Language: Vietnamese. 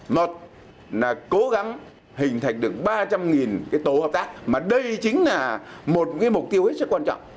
một là cố gắng hình thành được ba trăm linh tổ hợp tác mà đây chính là một mục tiêu rất quan trọng